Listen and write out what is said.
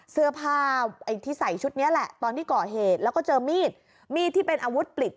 เสื้อผ้าไอ้ที่ใส่ชุดนี้แหละตอนที่ก่อเหตุแล้วก็เจอมีดมีดที่เป็นอาวุธปลิด